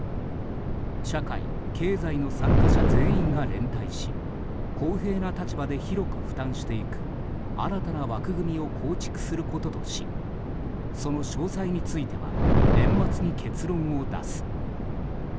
社会、経済の参加者全員が連帯し公平な立場で広く負担していく新たな枠組みを構築することとしその詳細については年末に結論を出す。